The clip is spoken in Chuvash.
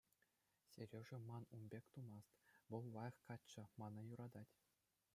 Сережа мана ун пек тумасть, вӑл лайӑх каччӑ, мана юратать.